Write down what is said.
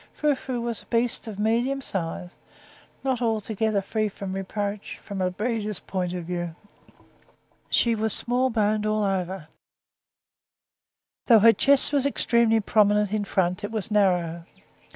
Frou Frou was a beast of medium size, not altogether free from reproach, from a breeder's point of view. She was small boned all over; though her chest was extremely prominent in front, it was narrow.